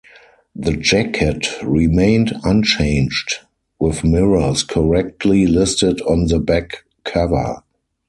The jacket remained unchanged, with "Mirrors" correctly listed on the back cover.